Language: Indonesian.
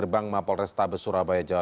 banyak lah itu lima ratus